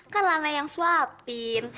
kan lana yang suapin